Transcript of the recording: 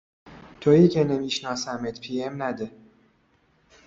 تویی که نمی شناسمت پی ام نده